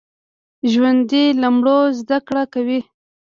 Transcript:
ژوندي له مړو زده کړه کوي